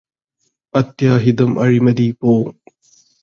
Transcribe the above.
അത്യാഹിതം അഴിമതി പോ